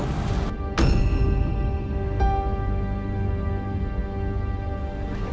terima kasih bu